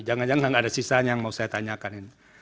jangan jangan ada sisanya yang mau saya tanyakan ini